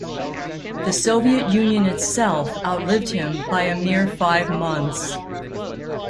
The Soviet Union itself outlived him by a mere five months.